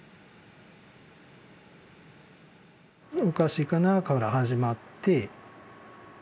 おかしいかなから始まって。